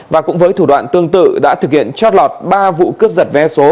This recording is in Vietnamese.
và cũng với thủ đoạn tương tự đã thực hiện trót lọt ba vụ cướp giật vé số